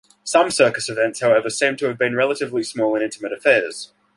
Some Circus events, however, seem to have been relatively small and intimate affairs.